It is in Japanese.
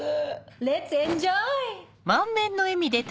レッツエンジョイ！